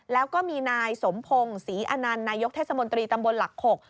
แล้วก็มีนายสมพงศ์ศรีอนันต์นายกเทศมนตรีตำบลหลัก๖